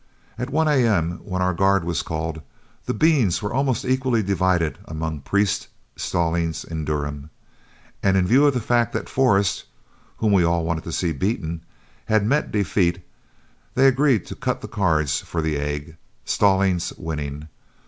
At one A.M., when our guard was called, the beans were almost equally divided among Priest, Stallings, and Durham; and in view of the fact that Forrest, whom we all wanted to see beaten, had met defeat, they agreed to cut the cards for the egg, Stallings winning.